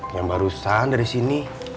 yang barusan dari sini